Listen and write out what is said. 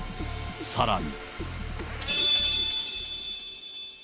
さらに。